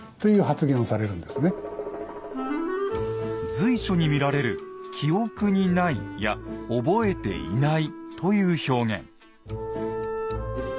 随所に見られる「記憶にない」や「覚えていない」という表現。